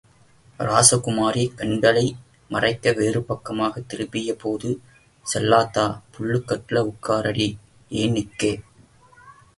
ராசகுமாரி கண்களை மறைக்க வேறு பக்கமாகத் திரும்பியபோது செல்லாத்தா, புல்லுக்கட்டுல உட்காரண்டி ஏன் நிக்கே?